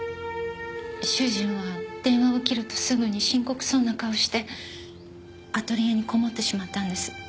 主人は電話を切るとすぐに深刻そうな顔してアトリエにこもってしまったんです。